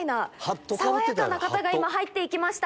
爽やかな方が今入って行きました。